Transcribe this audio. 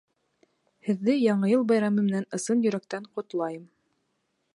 Һеҙҙе Яңы йыл байрамы менән ысын йөрәктән ҡотлайым.